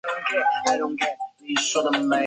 克鲁泡特金站是莫斯科地铁的一个车站。